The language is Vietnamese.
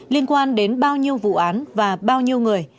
liên quan đến bao nhiêu vụ án và bao nhiêu người